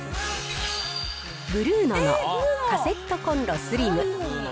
ブルーノのカセットコンロスリム。